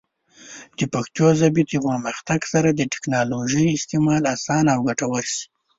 د پښتو ژبې د پرمختګ سره، د ټیکنالوجۍ استعمال اسانه او ګټور شي.